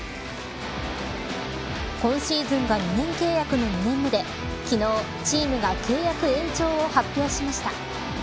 今シーズンは２年契約の２年目で昨日チームが契約延長を発表しました。